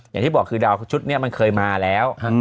อย่างที่บอกคือดาวชุดนี้มันเคยมาแล้ว